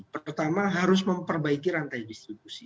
pertama harus memperbaiki rantai distribusi